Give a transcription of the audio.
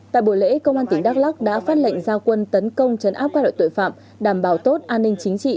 tại buổi lễ công an tỉnh đắk lắc đã phát lệnh giao quân tấn công chấn áp các loại tội phạm đảm bảo tốt an ninh chính trị